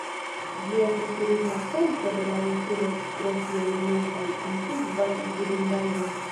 Ĝi estas turisma centro de la insulo pro siaj multaj antikvaj vidindaĵoj.